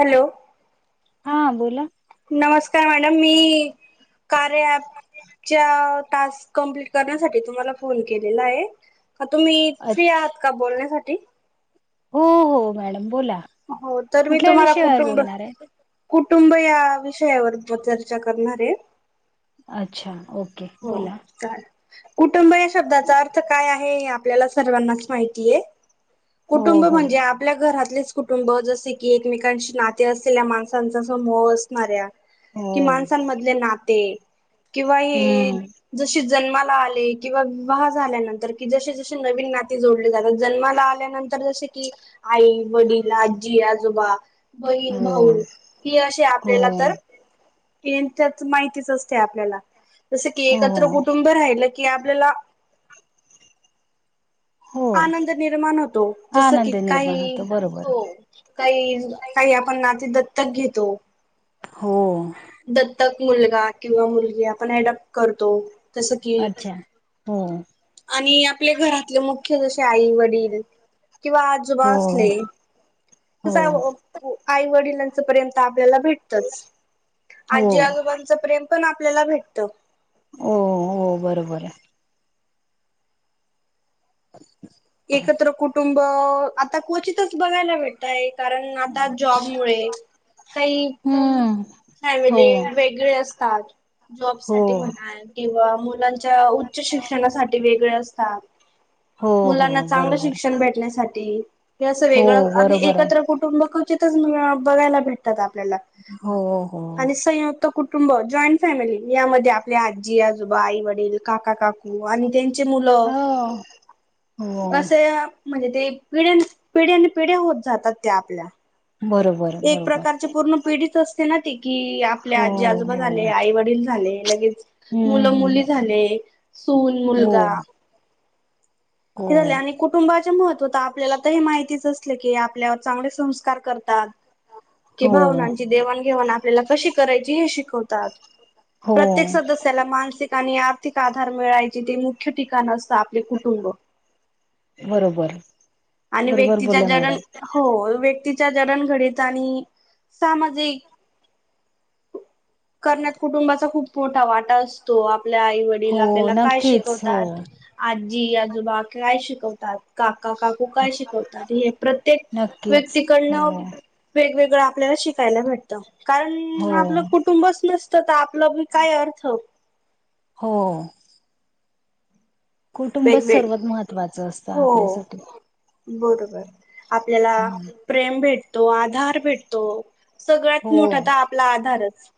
Hello हा बोल नमस्कार मॅडम मी कार्य अँप चा टास्क कंप्लीट करण्यासाठी तुम्हाला फोन केलेला आहे तुम्ही फ्री आ अच्छा हात का बोलण्यासाठी हो हो मॅडम बोला हो तर मी कुठल्या तुम्हाला विषयावर कुटुंब बोलणार आहे कुटुंब या विषयावर चर्चा करणारे अच्छा ओके बोला चालेल. कुटुंब या शब्दाचा अर्थ काय आहे हे आपल्याला सर्वांनाच माहितीये. हो कुटुंब हो म्हणजे आपल्या घरात कुटुंब जसे की एकमेकांशी नाते असलेल्या माणसांचा समूह असणाऱ्या हो कि माणसांमधले नाते किंवा हे हम्म जसे जन्माला आले किंवा विवाह झाल्यानंतर कि जसे जसे नवीन नाते जोडले जातात जन्माला आल्यानंतर तर जसे की आई, वडील, आजी, आजोबा बहीण, हो भाऊ ही असे हो आपल्याला तर त्यात माहितीच असते आपल्याला जस की एकत्र हो कुटुंब राहिलं. की आपल्याला हो आनंद निर्माण होतो जस की आनंद निर्माण काही होतो बरोबर हो काही काही नाती दत्तक घेतो. हो दत्तक मुलगा किंवा मुलगी आपण अडोपप्ट करतो. जस की अच्छा हो आणि आपल्या घरातले मुख्य जसे आई, वडील किंवा आजोबा हो असले हो त आई वडिलांच प्रेम आपल्याला भेटतच. हो आजी, आजोबांचं प्रेम पण आपल्याला भेटत. हो हो बरोबर आहे. अच एकत्र कुटुंब आता क्वचितच बघायला भेटतय. कारण आता जॉब मुळे काही हम्म हो फॅमिली वेगळे असतात जॉब हो साठी म्हणा किंवा मुलां उच्च शिक्षणासाठी वेगळे असतात. हो हो मुलांना चांगलं बरोबर शिक्षण भेटण्यासाठी हे असं हो वेगळं आणि बरोबर आहे एकत्र कुटुंब क्वचितच बघायला भेटतात आपल्याला हो हो आणि कुटुंब जॉईंट फॅमिली यामध्ये आपली आजी, आजोबा, आई, वडील, काका काकू आणि त्यांचे मुलं हो हो असं म्हणजे ते पिढ्या पिढ्यान पिढ्या होत जातात त्या आपल्या बरोबर एक बरोबर प्रकारची पूर्ण पिढित असते ना ती कि आपल्या हो आजी हो आजोबा झाले हम्म आई वडील झाले लगेच मुलं हम्म मुली झाले सून, हो मुलगा हो हे झाले आणि कुटुंबाच्या महत्त्व तर आपल्याला तर हे माहितीच असलं की आपल्यावर चांगले संस्कार करतात. कि हो भावनांची देवाणघेवाण आपल्याला कशी करायची हे शिकवतात. हो प्रत्येक सदस्याला मानसिक आणि आर्थिक आधार मिळाय. जिथे मुख्य ठिकाण असतं आपले कुटुंब. बरोबर. आणि बरोबर व्यक्तीच्या बोलले जडण, मॅडम हो व्यक्ती च्या जडण घडीत आणि सामाजिक करण्यात कुटुंबाचा खूप मोठा वाटा असतो. आप आपल्या आई वडील हो आपल्याला काय नक्कीच हो शिकवतात? आ जी आजोबा काय शिकवतात? काका काक कू काय शिकवतात हे प्रत्येक नक्कीच व्यक्तीकडनं हो वेगवेग गळं आपल्याला शिकायला भेटतं. कारण हो म आपलं कुटुंबच नसतं तर आपलं बी काय अर्थ हो.. कुटुंबच वेगवेग सर्वात महत्त्वाचं असतं हो आपल्यासाठी. बरोबर. आपल्याला हम्म. प्रेम भेटतो, आधार भेटतो. हो सगळ्यात मोठा त आपला आधारच.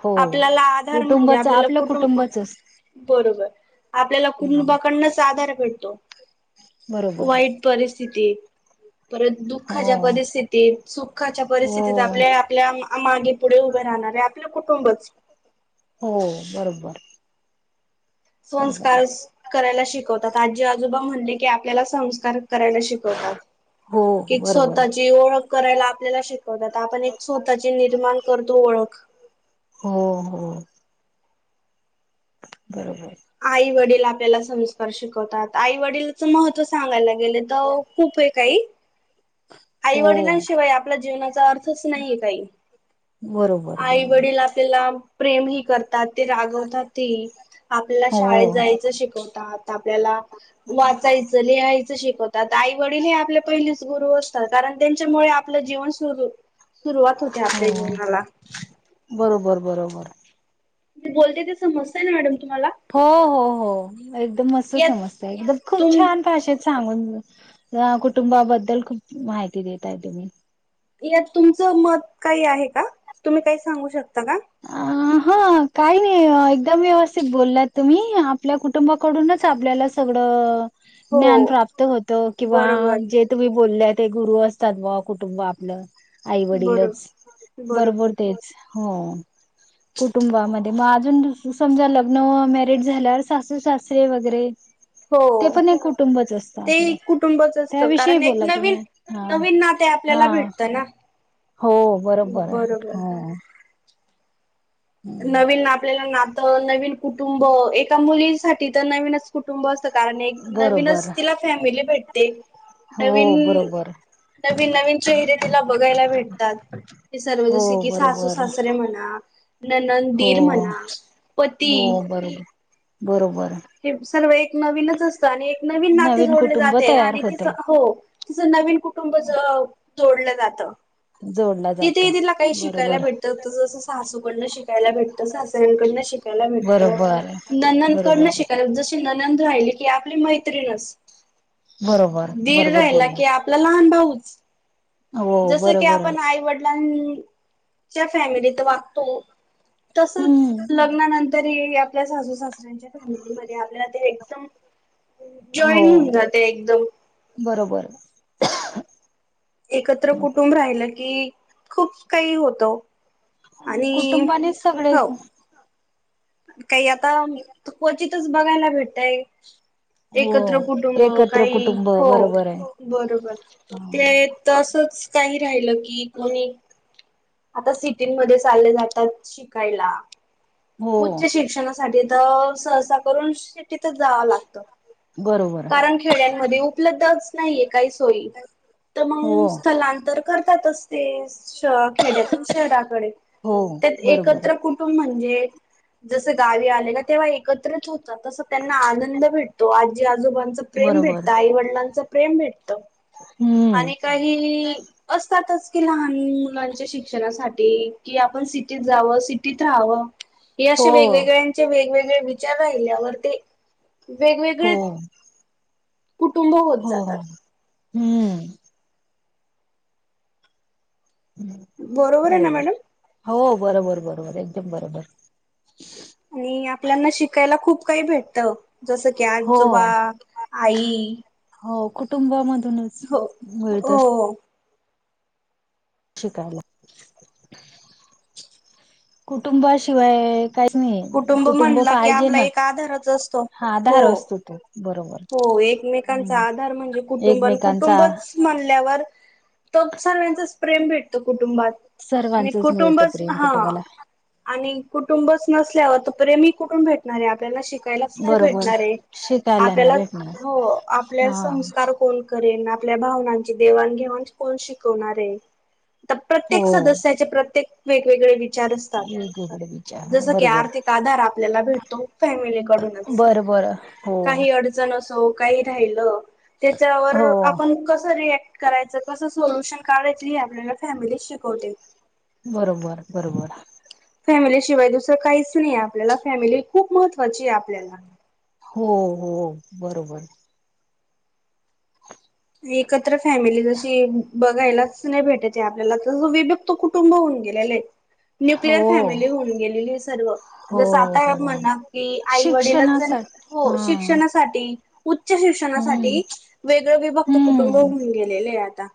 हो आपल्याला आधार म्हणजे कुटुंबाच आपल्याला आपलं कुटुंब. कुटुंबच असत बरोबर. आपल्याला कुनबाकडनंच आधार भेटतो. बरोबर वाईट परिस थीती परत हो दुःखाच्या परिस्थितीत, सुखाच्या हो परिस्थितीत आपल्या ए आपल्या मा.. मागे पुढे उभे राहणारे आपलं कुटुंबच. हो.. बरोब्बर. संस्कारस करायला शिकवतात. आजी आजोबा म्हणले की आपल्याला संस्कार करायला शिकव हो [inaudible] की बरोबर स्वतःची ओळख करायला आपल्याला शिकवतात. आपण एक सोताची निर्माण करतो ओळख. [unintelligible] हो.. हो. बरोबर. आई वडील आपल्याला संस्कार शिकवतात. आई वडीलचं महत्त्व सांगायला गेले त खूप ए काही. आई हो वडिलांशिवाय आपल्या जीवनाचा अर्थच नाहीये काही. बरोबर आई बरोबर वडील आपल्याला प्रेमही करतात ते रागवतातई. आपल्या हो शाळेत जायचं शिकवतात. आपल्याला वाचायचं, लिहायचं शिक आई वडील हे आपले पहिलेच गुरु असतात, कारण त्यांच्यामुळे आपलं जीवन सुरू सुरुवात होते आपल्या हो जीवनाला. बरोबर बरोबर. मी बोलतेय ते समजतंय ना मॅडम? तुम्हाला हो.. हो.. हो. एकदम मस्त यात समजतंय. ज खूप तुम छान भाषेत सांगून त्या कुटुंबाबद्दल खूप म्हहिती देताय तुम्ही. यात तुमचं मत काही आहे का? तुम्ही काही सांगू शकता का? अ हा.. काही नाइं. एकदम व्यवस्थित बोललात तुम्ही. आपल्या कुटुंबाकडूनच आपल्याला सगळं [inaudible] ज्ञान हो प्राप्त होतं, किंवा बरोबर जे तुम्ही बोलल्यांत ते गुरु असतात बॉ कुटुंब आपलं. आई बरो वडीलच. बरोबर तेच हो. [inaudible] कुटुंबामध्ये म अजून समजा लग्न व मॅरिड झाल्यावर सासू सासरे वगरे हो.. ते आपलं एक कुटुंबच असतं. त्याविषयी कारण एक बोला नवीन, तुम्ही हा नवीन नात ते हा आपल्याला भेटतं ना. हो.. बरोब्बर बरोबर हा. नवीन आपल्याला नातं नवीन कुटुंब एका मुलीसाठी तर नवीनच कुटुंब का बरोबर नवीनच तिला फॅमिली भेटते हो नवीन बरोबर नवीन नवीन चेहरे तिला बघायला भेटतात. हे सर्व हो जसे की सासू बरोबर सासरे म्हणा नणंद हो दिर म्हणा पती हो बरोबर बरोबर. हे सर्व एक नवीनच असतं, आणि एक नवीन नाते जोडले कुटुंब जाते, तयार आणि होत तिच हो तिचं नवीन कुटुंब ज जोडलं जात. जोडला तिथे जात तिला काही शिकायला बरोबर भेटत जसं सासूकडनं शिकायला भेटतं, सासऱ्यांकडनं शिक कायला भेटत, बरोबर नणंद कडन बरोबर शिकायला जस ननंद राहिली की आपली मैत्रिणच बरोबर दीड बरोबर राहिला बोलला की आपला लहान भाऊच. हो जस की बरोबर आपण आईवड न ज्या फॅमिलीत वागतो. तसच हम्म लग्नानं तरी आपल्या सासू सासर्यांच्या फॅमिलीमध्ये आपल्याला ते एकदम. हो जॉईन होऊन जाते. बरोबर एकत्र कुटुंब राहिलं की, खूप काही होतं. आणि कुटुंबानीच सगळे हो काही आता क्वचितच बघायला भेटतय. हो एकत्र कुटुंब एकत्र काही कुटुंब हो बरोबर आहे बरोबर ते तसच काही राहिलं की कोणी आता सिटीमध्ये चालले जातात. शिकायला हो उच्च शिक्षणासाठी सहसा करून शिटीत जावं लागतं. बरोबर कारण खेड्यांमध्ये उपलब्धच नाहीये. काही सोयी तर हो मग स्थलांतर करतातच ते श खेड्यातून शहराकडे, हो त्यात बरोबर एकत्र कुटुंब म्हणजे जस गावी आले ना, तेव्हा एकत्रच होतात. तस त्यांना आनंद भेटतो आजी आ आजोबांच प्रेम बरोबर भेटतं. आई वडिलांच प्रेम भेटतं. हम्म आणि काही असतातच लहान मुलांच्या शिक्षणासाठी कि आपण सिटीत जावं, सिटीत राहावं. हे हो असे वेगवेगळ्यांचे वेगवेगळे विचार राहिल्यावर ते हो वेगवेगळे कुटुंब होत हो जातात. हम्म. बरोबर आहे ना मॅडम? हो बरोबर बरोबर एकदम बरोबर. आणि आपल्याना शिकायला खूप काही भेटतं. जसं की हो आजोबा आई. हो कुटुंबामधूनच हो मिळत. हो शिकायल. कुटुंबाशिवाय काहीच नाही कुटुंब म्हणला की आपला एक पाहिजेनच आधारच असतो. हा हो आधार असतो तो बरोबर हो एकमेकांचा हम्म आधार म्हणजे कुटुंब एकमेकांचा कुटुंबच म्ह म्हणाल्यावर तोच सर्वचच प्रेम भेटत कुठ. कुटुंबात आणि सर्वांचच मिळते कुटुंबच प्रेम हा कुटुंबाला आणि कुटुंबच नसल्यावर तर प्रेमी कुठून भेटणार आहे आपल्याला शि त्यालाच नाही बरोबर भेटणारे शिकायला नाही आपल्याला भेटणार हो आपल्या हा संस्कार कोण करेल ना. आपल्या भावनांची देवाण घेवाण कोण शिकवणार आहे. हो प्रत्येक सदस्याचे प्रत्येक वेगवेगळे हगड बीचार [unintelligible] [inaudible] जस की आर्थिक आधार आपल्याला भेटतो फॅमिलीकडूनच बरं बरं हो काही अडचण कस काय राहील, त्याच्यावर हो आपण कस रियाक्ट करायचं कस सोल्युशन काढायचं ही आपल्याला फॅमिलीच शिकवते. बरोबर बरोबर. फॅमिली शिवाय दुसरं काहीच नाही आपल्याला, फॅमिली खूप महत्त्वाची आहे आपल्याला हो. हो. बरोबर. एकत्र फॅमिली जशी बघायलाच नाही भेटते आपल्याला, तस विभक्त कुटुंब होऊन गेलेल न्यूक्लिअर हो फॅमिली होऊन गेलेली सर्व, हो जस आता हो म्हणा की आई वडीलच शिक्षणासाठी हा शिक्षणासाठी, उच्च हम्म शिक्षणासाठी वेगळं विभाग कुटुंब हम्म होऊन गेलेले आता,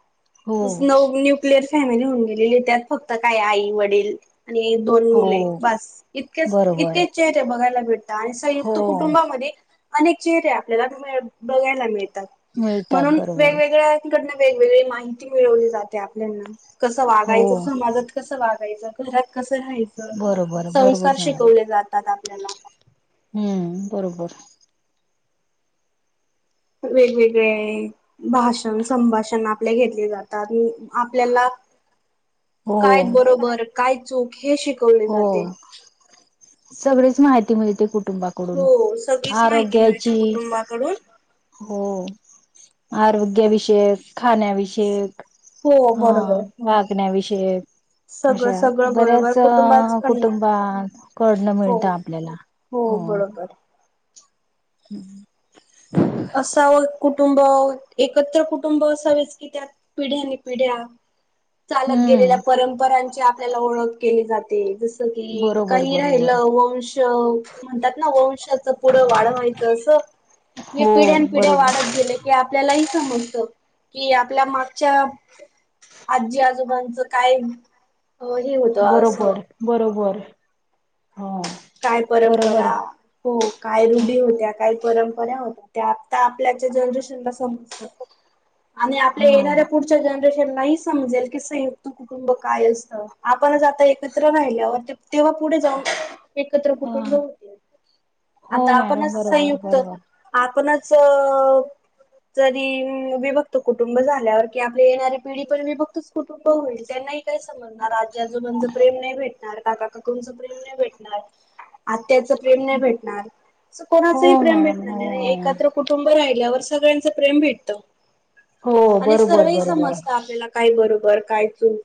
हो [unintelligible] न्युक्लिअर फॅमिली होऊन गेलीली, त्यात फक्त काय आई वडील आणि दोन हो मुले बास, इतकेच बरोबर इतकेच चेहरे बघायला भेटतात आणि हो संयुक्त कुटुंबामध्ये अनेक चेहरे आपल्याला मिळ बघायला मिळतात मिळतात म्हणून बरोबर वेगवेगळ्या घ [unintelligible] वेगवेगळी माहिती मिळवली जाते आपल्यांना, कसं हो वागायचं, समाजात कसं वागायचं घरात कसं राहायचं, बरोबर बरोबर संस्कार मॅडम शिकवले जातात आपल्याला हम्म, बरोबर. वेगवेगळे भाषण संभाषण आपले घेतले जातात आपल्याला हो काय बरोबर, काय चूक, हे शिकव हो. सगळीच माहिती मिळते कुठे कुटुंबाकडून. हो सगळीच माहिती मिळते आरोग्याची, कुटुंबाकडून. हो आरोग्याविषयक, खाण्याविषयक, हो हा. बरोबर वागण्याविषयक सगळं अशा सगळं बऱ्याच बरोबर कुटुंबाच पण कुटुंबात पडण हो मिळत आपल्याला, हो. [unintelligible] [inaudible] असाव कुटुंब एकत्र कुटुंब असावेच, की त्यात पिढ्याने पिढ्या चालत गेलेल्या हम्म परंपरांची आपल्याला ओळख केली जाते, जस की जस की, बरोबर काही बरोबर राहिलं वंश म्हणतात ना, वंशाचं पुढं वाढवायचं असं हे हो पिढ्यान पिढ्या बरोबर वाढत गेल की आपल्याला [unintelligible] समजत की आपल्या मागच्या आजी आजोबांचं काय हे होतं असं बरोबर बरोबर हो काय बरोबर परंपरा, हो काय रूढी होत्या काय परंपरा होत्या, आता आपल्याच्या जनरेशनला समजत आणि हा आपल्या येणाऱ्या पुढच्या जण [unintelligible] समजेल संयुक्त कुटुंब काय असत? आपण एकत्र राहिल्यावर तेव्हा पुढे जाऊन एकत्र कुटुंब हा होते. हो आता मॅडम आपणच बरोबर संयुक्त बरोबर आपणच जरी विभक्त कुटुंब झाल्यावर कि, आपली येणारी पिढी पण विभक्तच कुटुंब होईल नाही काय भेटणार आजी-आजोबांचं प्रेम नाही भेटणार, काका-काकूंचं प्रेम नाही भेटणार. आत्याच प्रेम नाही भेटणार. हो कोणाचही प्रेम मॅडम भेटणार नाही, हो एकत्र कुटुंब राहिल्यावर सगळ्यांच प्रेम भेटत. हो. आणि बरोबर सर्वही बरोबर समजत आपल्याला. काही बरोबर काय चूक.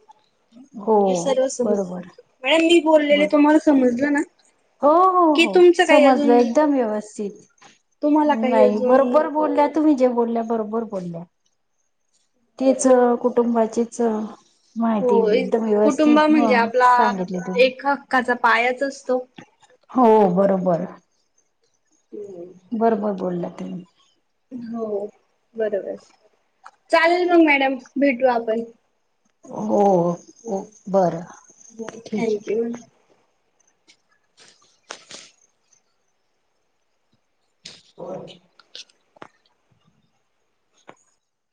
हो हे सर्व समजत. बरोबर मॅडम मी बोललेले बर तुम्हाला समजलं ना? हो. हो. की हो तुमचं काही समजलं अजून एकदम व्यवस्थित. तुम्हाला काही नाही अजून बरोबर बोलल्या तुम्ही जे बोलल्या बरोबर बोलल्या. तेच कुटुंबाचेच हो. एक कुटुंब म्हणजे आपला सांगितली तुम्ही एक हक्काचा पायाच असतो. हो बरोबर. बरोबर बोलला तुम्ही. हो बरोबर. चालेल मग मॅडम भेटू आपण. हो बर हो, ठीक हे. थँक्यू. कोण?